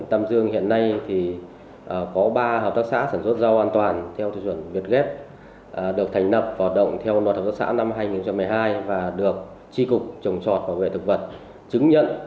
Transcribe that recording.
trên đài bản huyện tâm dương hiện nay có ba hợp tác xã sản xuất rau an toàn theo thư chuẩn việt ghép